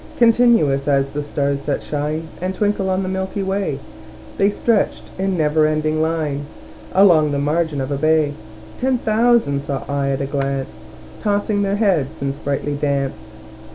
Continuous as the stars that shine And twinkle on the milky way, The stretched in never ending line Along the margin of a bay: Ten thousand saw I at a glance, Tossing their heads in sprightly dance.